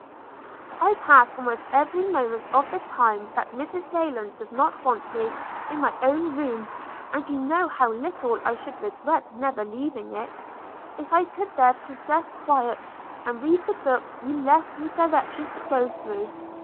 'I pass almost every moment of the time that Mrs Rayland does not want me, in my own room; and you know how little I should regret never leaving it, if I could there possess quiet, and read the books you left me directions to go through.